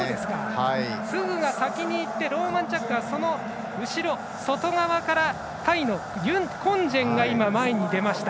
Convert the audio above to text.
フグが先に行ってローマンチャックはその後ろ外側からコンジェンが前に出ました。